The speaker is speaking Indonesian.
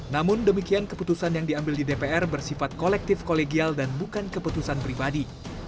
namun demikian keputusan yang diambil di dpr bersifat kolektif kolegial dan bukan keputusan pribadi